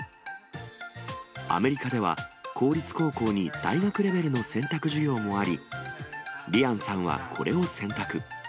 アメリカでは公立高校に大学レベルの選択授業もあり、リアンさんはこれを選択。